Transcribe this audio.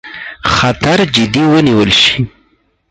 خطر جدي ونیول شي.